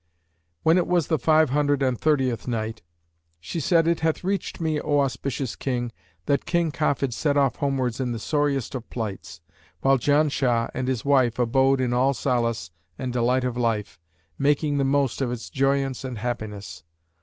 When it was the Five Hundred and Thirtieth Night, She said, It hath reached me, O auspicious King, that "King Kafid set off homewards in the sorriest of plights, whilst Janshah and his wife abode in all solace and delight of life, making the most of its joyance and happiness.